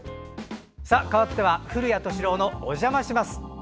かわっては「古谷敏郎のおじゃまします」。